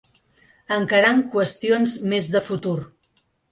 Encarant qüestions més de futur.